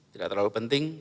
tidak terlalu penting